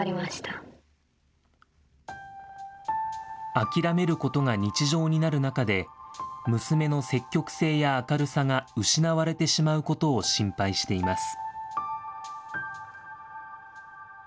諦めることが日常になる中で、娘の積極性や明るさが失われてしまうことを心配しています。